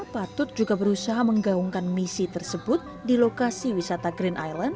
patut juga berusaha menggaungkan misi tersebut di lokasi wisata green island